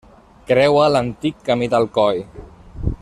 Creua l'antic camí d'Alcoi.